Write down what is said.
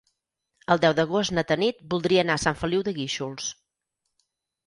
El deu d'agost na Tanit voldria anar a Sant Feliu de Guíxols.